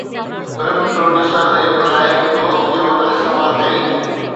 film producer rape لاءِ هڪ دوست جي هوٽل استعمال ڪئي